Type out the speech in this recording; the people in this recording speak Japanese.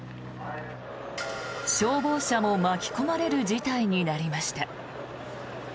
消防車も巻き込まれる事態になりました。